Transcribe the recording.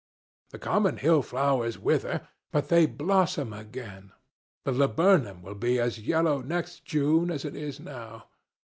The common hill flowers wither, but they blossom again. The laburnum will be as yellow next June as it is now.